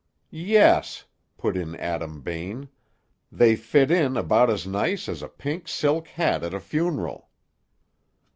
"Yes," put in Adam Bain: "they fit in about as nice as a pink silk hat at a funeral."